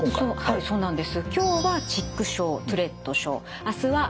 はいそうなんです。